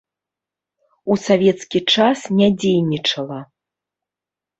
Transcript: У савецкі час не дзейнічала.